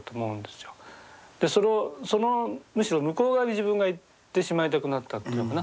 そのむしろ向こう側に自分が行ってしまいたくなったというのかな。